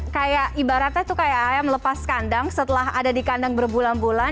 kayak ibaratnya tuh kayak ayam lepas kandang setelah ada di kandang berbulan bulan